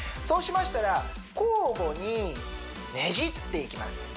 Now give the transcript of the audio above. そうしましたら交互にねじっていきます